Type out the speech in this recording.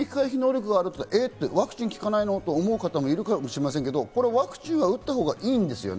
ワクチン効かないの？と思う方もいるかもしれませんけど、ワクチンは打ったほうがいいんですよね？